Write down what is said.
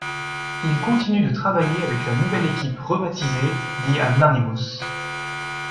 Il continue de travailler avec la nouvelle équipe rebaptisée The Anonymous.